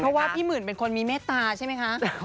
เพราะว่าพี่หมื่นเป็นคนมีเมตตาใช่ไหมคะ